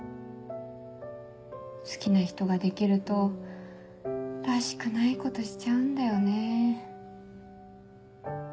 好きな人ができるとらしくないことしちゃうんだよね。